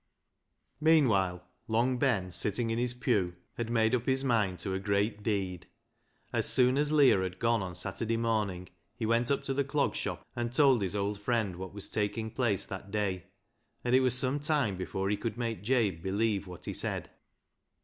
Meanwhile Long Ben, sitting in his pew, had made up his mind to a great deed. As soon as Leah had gone on Saturday morning, he went up to the Clog Shop and told his old friend what was taking place that day, and it was some time before he could make Jabe believe what he said.